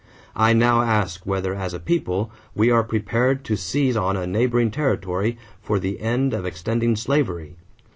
I now ask whether as a people we are prepared to seize on a neighboring territory for the end of extending slavery?